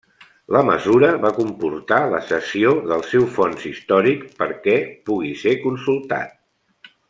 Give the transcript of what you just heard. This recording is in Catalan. La mesura va comportar la cessió del seu fons històric perquè pugui ser consultat.